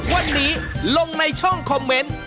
วันนี้ลงในช่องคอมเมนต์